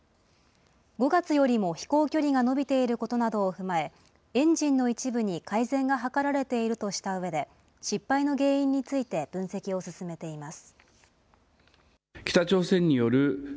５月よりも飛行距離が伸びていることなどを踏まえ、エンジンの一部に改善が図られているとしたうえで、失敗の原因について分析を進めています。